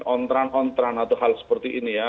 ontran ontran atau hal seperti ini ya